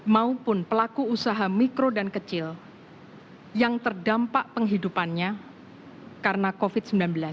maupun pelaku usaha mikro dan kecil yang terdampak penghidupannya karena covid sembilan belas